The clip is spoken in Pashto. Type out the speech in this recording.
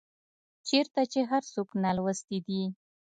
چيرته چي هر څوک نالوستي دي